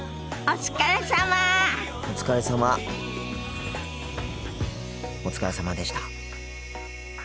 お疲れさまでした。